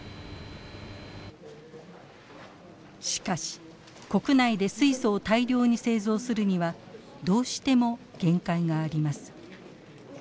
しかし国内で水素を大量に製造するにはどうしても限界があります。